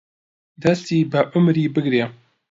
دەستی بە عومری بگرێ